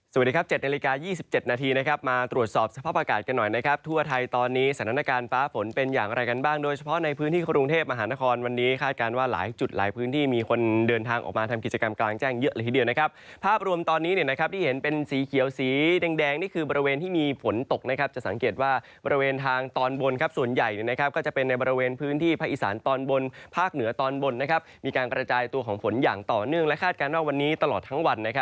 สวัสดีครับ๗นาฬิกา๒๗นาทีนะครับมาตรวจสอบสภาพอากาศกันหน่อยนะครับทั่วไทยตอนนี้สถานการณ์ฟ้าฝนเป็นอย่างอะไรกันบ้างโดยเฉพาะในพื้นที่กรุงเทพฯมหานครวันนี้คาดการณ์ว่าหลายจุดหลายพื้นที่มีคนเดินทางออกมาทำกิจกรรมกลางแจ้งเยอะเลยทีเดียวนะครับภาพรวมตอนนี้นะครับที่เห็นเป็นสีเขียวสี